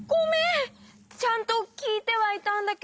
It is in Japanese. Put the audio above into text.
ちゃんときいてはいたんだけど。